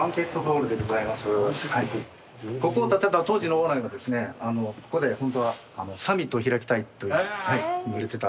ここを建てた当時のオーナーがここでホントはサミットを開きたいと言ってた。